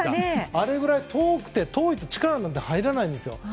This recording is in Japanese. あれくらい遠いと力なんて入らないんです。